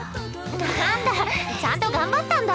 なんだちゃんと頑張ったんだ